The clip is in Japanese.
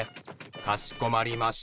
かしこまりました。